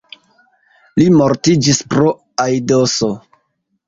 Li mortiĝis pro aidoso.